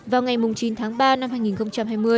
vào ngày chín tháng ba năm hai nghìn một mươi chín